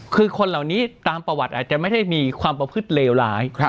คือคนเหล่านี้ตามประวัติอาจจะไม่ได้มีความประพฤติเลวร้าย